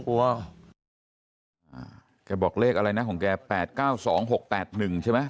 แกบอกเลขอะไรนะของแก๘๙๒๖๘๑ใช่ไหม